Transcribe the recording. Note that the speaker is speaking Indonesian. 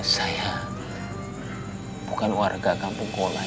saya bukan warga kampung kolam